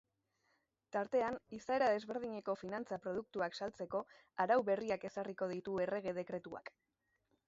Tartean, izaera desberdineko finantza-produktuak saltzeko arau berriak ezarriko ditu errege-dekretuak.